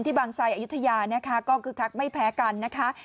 ที่บางทรายอยุธยานะคะก็คือทักไม่แพ้กันนะคะ